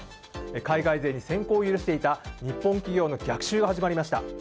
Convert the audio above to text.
海外勢に先行を許していた日本企業の逆襲が始まりました。